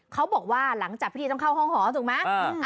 เขาบอกว่าหลังจากพิธีต้องเข้าห้องหอถูกไหม